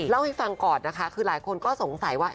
เล่าให้ฟังก่อนนะคะคือหลายคนก็สงสัยว่า